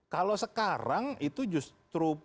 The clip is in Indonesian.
kalau sekarang itu justru